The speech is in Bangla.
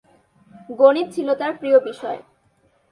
গণিত ছিল তার প্রিয় বিষয়।